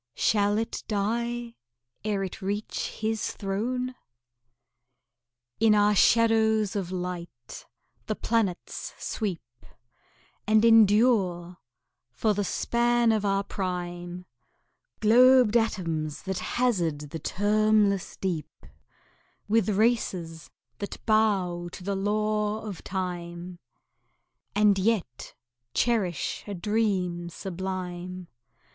Shall it die ere it reach His throne? In our shadows of light the planets sweep, And endure for the span of our prime Globed atoms that hazard the termless deep With races that bow to the law of Time, And yet cherish a dream sublime.